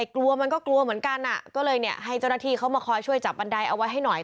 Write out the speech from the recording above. กลัวมันก็กลัวเหมือนกันก็เลยเนี่ยให้เจ้าหน้าที่เขามาคอยช่วยจับบันไดเอาไว้ให้หน่อย